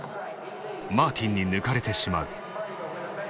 マーティンに抜かれてしまう。